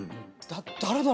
誰だろ？